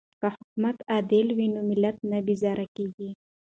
که حکومت عادل وي نو ملت نه بیزاره کیږي.